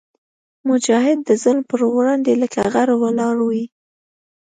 مجاهد د ظلم پر وړاندې لکه غر ولاړ وي.